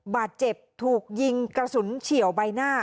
บาดเจ็บถูกยิงกระสุนเฉียวใบหน้า